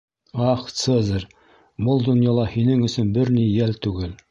Ах, Цезарь, был донъяла һинең өсөн бер ни йәл түгел!